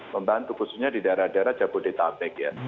membantu khususnya di daerah daerah jabodetabek ya